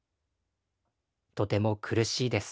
とても苦しいです」。